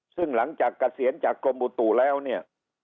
ซึ่งหลังจากเกษียณจากกรมอุตุแล้วเนี่ย